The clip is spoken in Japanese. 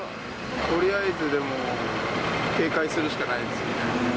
とりあえず、でも、警戒するしかないですよね。